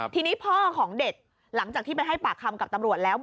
ทีนี้พ่อของเด็กหลังจากที่ไปให้ปากคำกับตำรวจแล้ว